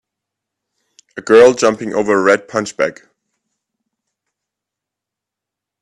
A girl jumping over a red punch bag